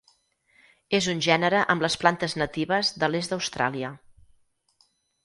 És un gènere amb les plantes natives de l'est d'Austràlia.